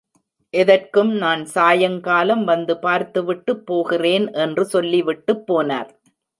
எதற்கும் நான் சாயங்காலம் வந்து பார்த்துவிட்டுப் போகிறேன் என்று சொல்லிவிட்டுப் போனார்.